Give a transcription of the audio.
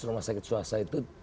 rumah sakit swasta itu